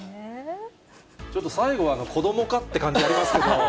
ちょっと最後は、子どもかって感じありましたけど。